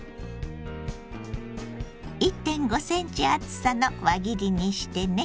１．５センチ厚さの輪切りにしてね。